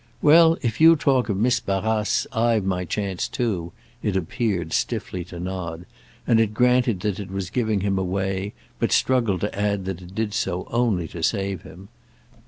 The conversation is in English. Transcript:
"Well, if you talk of Miss Barrace I've my chance too," it appeared stiffly to nod, and it granted that it was giving him away, but struggled to add that it did so only to save him.